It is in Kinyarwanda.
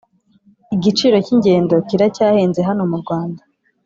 igiciro cy ingendo kira cyahenze hano murwanda